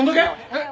えっ？